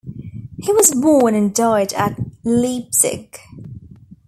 He was born and died at Leipzig.